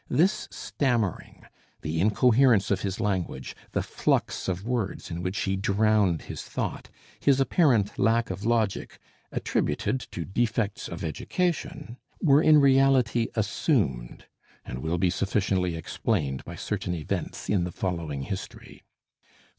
This stammering, the incoherence of his language, the flux of words in which he drowned his thought, his apparent lack of logic, attributed to defects of education, were in reality assumed, and will be sufficiently explained by certain events in the following history.